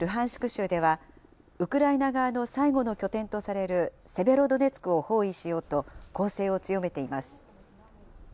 州では、ウクライナ側の最後の拠点とされるセベロドネツクを包囲しようと、攻勢を強めています。